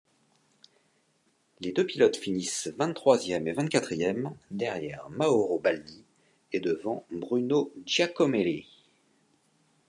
Les deux pilotes finissent vingt-troisième et vingt-quatrième, derrière Mauro Baldi et devant Bruno Giacomelli.